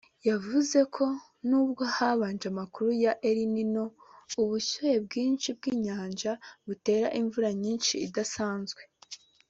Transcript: yavuze ko nubwo habanje amakuru ya El Nino (ubushyuhe bwinshi bw’inyanja buteza imvura nyinshi idasanzwe)